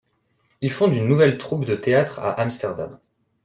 Il fonde une nouvelle troupe de théâtre à Amsterdam.